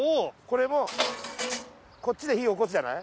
れをっちで火おこすじゃない？